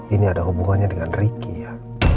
ini ada hubungannya dengan ricky ya